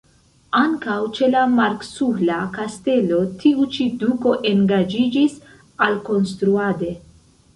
Ankaŭ ĉe la marksuhla kastelo tiu ĉi duko engaĝiĝis alkonstruade.